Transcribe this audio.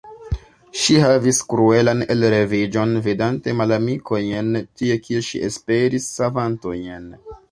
Ŝi havis kruelan elreviĝon vidante malamikojn, tie, kie ŝi esperis savantojn.